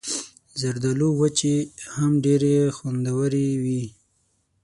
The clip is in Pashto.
زردالو وچې هم ډېرې خوندورې وي.